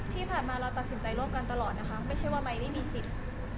ที่ผ่านมาเราตัดสินใจร่วมกันตลอดนะคะไม่ใช่ว่าไมค์ไม่มีสิทธิ์